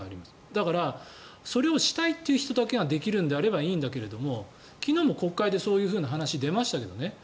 だからそれをしたい人だけができるのであればいいんだけども昨日も国会でそういう話出ましたけどね。